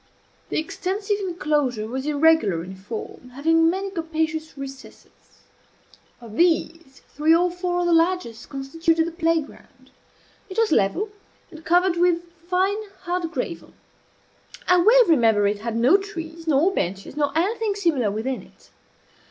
The extensive enclosure was irregular in form, having many capacious recesses. Of these, three or four of the largest constituted the play ground. It was level, and covered with fine hard gravel. I well remember it had no trees, nor benches, nor anything similar within it.